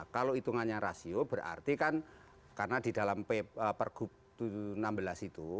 kalau hitungannya rasio berarti kan karena di dalam pergub enam belas itu